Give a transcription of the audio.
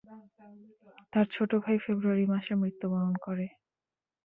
তার ছোট ভাই ফেব্রুয়ারি মাসে মৃত্যুবরণ করে।